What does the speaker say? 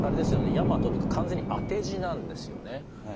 「夜麻登」って完全に当て字なんですよね。